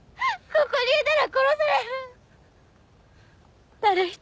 ここにいたら殺される！